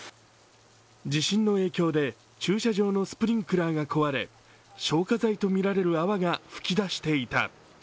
地震の影響で駐車場のスプリンクラーが壊れ消火剤と見られる泡が噴き出していた。